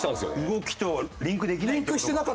動きとリンクできないって事か。